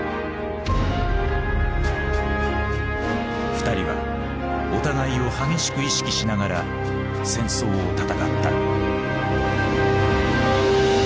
２人はお互いを激しく意識しながら戦争を戦った。